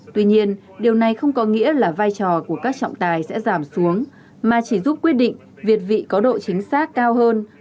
tuy nhiên điều này không có nghĩa là vai trò của các trọng tài sẽ giảm xuống mà chỉ giúp quyết định việt vị có độ chính xác cao hơn